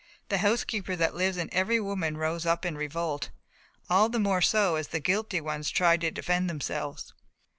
The housekeeper that lives in every woman rose up in revolt, all the more so as the guilty ones tried to defend themselves.